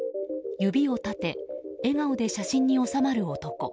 指を立て笑顔で写真に納まる男。